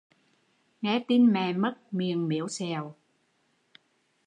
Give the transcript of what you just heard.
Nghe tin mẹ mất, miệng mếu xẹo